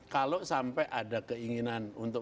kalau sampai ada keinginan untuk